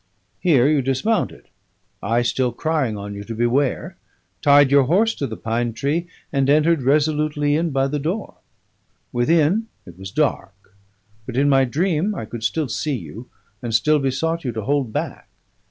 Here you dismounted (I still crying on you to beware), tied your horse to the pine tree, and entered resolutely in by the door. Within, it was dark; but in my dream I could still see you, and still besought you to hold back.